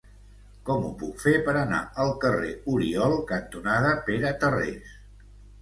Com ho puc fer per anar al carrer Oriol cantonada Pere Tarrés?